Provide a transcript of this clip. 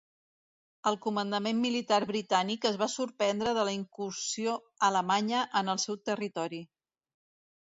El comandament militar britànic es va sorprendre de la incursió alemanya en el seu territori.